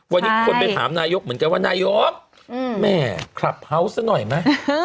วันนี้คนไปถามนายกเหมือนกันว่านายกแม่คลับเฮาส์ซะหน่อยไหม